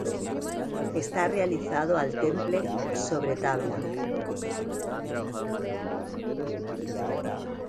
Está realizado al temple sobre tabla.